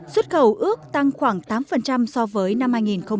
xuất khẩu ước tăng khoảng tám so với năm hai nghìn một mươi tám